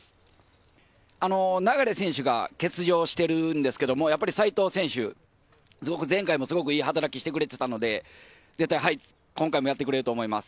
流選手が欠場をしてるんですけれど、齋藤選手、前回もすごくいい働きをしてくれていたので、今回もやってくれると思います。